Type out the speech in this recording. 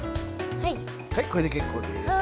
はいこれで結構です。